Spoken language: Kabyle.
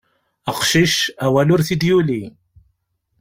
Aqcic, awal ur t-id-yuli.